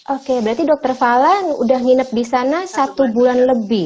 oke berarti dokter fala yang udah nginep di sana satu bulan lebih